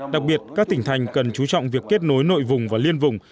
đặc biệt các tỉnh thành cần chú trọng việc kết nối nội vùng và liên vùng